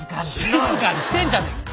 静かにしてんじゃねえか！